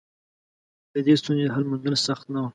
د دې ستونزې حل موندل سخت نه و.